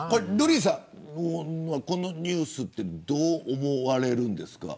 瑠麗さん、このニュースどう思われるんですか。